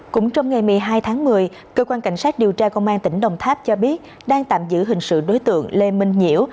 cũng trong ngày một mươi hai tháng một mươi cơ quan cảnh sát điều tra công an tỉnh đồng tháp cho biết đang tạm giữ hình sự đối tượng lê minh nhiễu